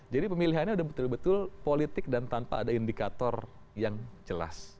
jadi pemilihannya sudah betul betul politik dan tanpa ada indikator yang jelas